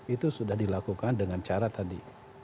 itu sudah dilakukan dengan cara tadi